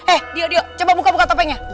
eh dio dio coba buka buka topengnya